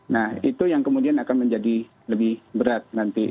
nah itu yang kemudian akan menjadi lebih berat nanti